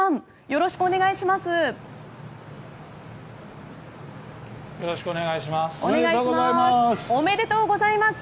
よろしくお願いします。